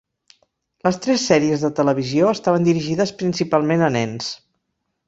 Les tres sèries de televisió estaven dirigides principalment a nens.